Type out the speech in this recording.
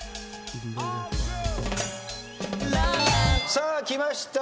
さあきました。